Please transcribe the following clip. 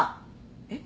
えっ？